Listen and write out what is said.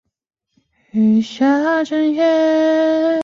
苗栗丽花介为粗面介科丽花介属下的一个种。